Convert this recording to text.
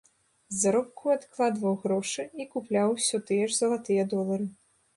З заробку адкладваў грошы і купляў усё тыя ж залатыя долары.